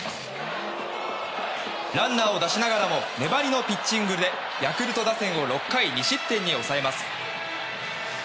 ランナーを出しながらも粘りのピッチングでヤクルト打線を６回２失点に抑えます。